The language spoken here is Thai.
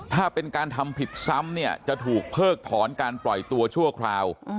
ถ้าเป็นการทำผิดซ้ำเนี่ยจะถูกเพิกถอนการปล่อยตัวชั่วคราว